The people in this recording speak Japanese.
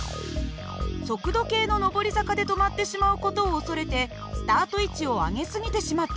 速度計の上り坂で止まってしまう事を恐れてスタート位置を上げ過ぎてしまったようです。